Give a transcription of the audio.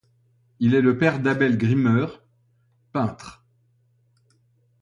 Il est le père d'Abel Grimmer, peintre.